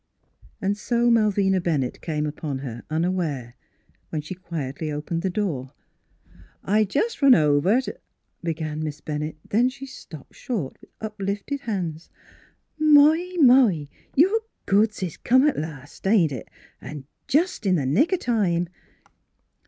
And so Malvina Bennett came upon her, unaware, when she quietly opened the door. " I jest run over t' —" began Miss Ben nett. Then she stopped short with up lifted hands. " My, my ! Your goods is come at last, ain't it, an' jest in the nick o' time